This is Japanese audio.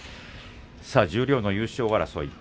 十両の優勝争い